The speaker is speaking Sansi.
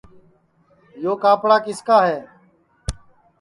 یو کاپڑا کِس کا ہے